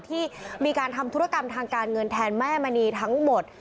ที่มีการทำธุรกรรมทางการเงินแทนแม่มณีทั้งหมด